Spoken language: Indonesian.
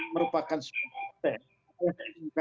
merupakan suatu tes